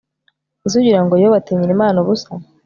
Ese ugira ngo Yobu atinyira Imana ubusa